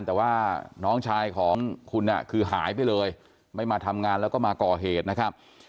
แต่ว่าน้องชายของคุณคือหายไปเลยไม่มาทำงานแล้วก็มาก่อเหตุนะครับ